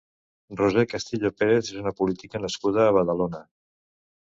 Roser Castillo Pérez és una política nascuda a Badalona.